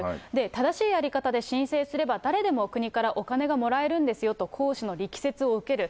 正しいやり方で申請すればだれでも国からお金がもらえるんですよと講師の力説を受ける。